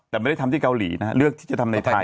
แต่ไม่ได้ทำที่เกาหลีนะฮะเลือกที่จะทำในไทย